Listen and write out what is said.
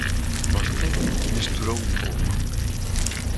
Vostede mesturou un pouco.